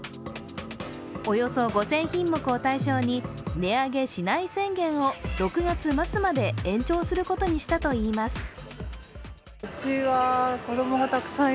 およそ５０００品目を対象に、値上げしない宣言を６月末まで延長することにしたといいます。